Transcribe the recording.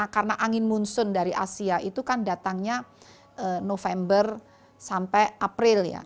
karena angin munsun dari asia itu kan datangnya november sampai april ya